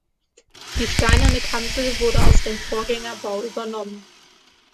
Die steinerne Kanzel wurde aus dem Vorgängerbau übernommen.